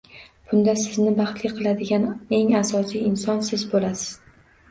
Bunda sizni baxtli qiladigan eng asosiy inson siz bo’lasiz